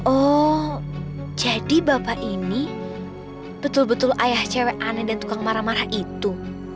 oh jadi bapak ini betul betul ayah cewek aneh dan tukang marah marah itu